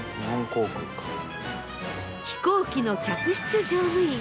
飛行機の客室乗務員！